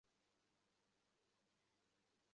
কুমুদ হাসিল, grand success, অ্যাঁ?